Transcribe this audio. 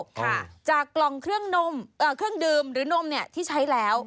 ค่ะจากกล่องเครื่องดื่มหรือนมที่ใช้แล้ว